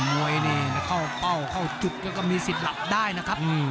มวยนี่เข้าเป้าเข้าจุดแล้วก็มีสิทธิ์หลับได้นะครับ